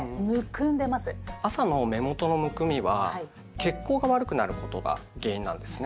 朝の目元のむくみは血行が悪くなることが原因なんですね。